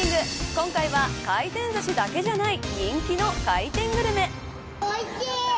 今回は、回転ずしだけじゃない人気の回転グルメ。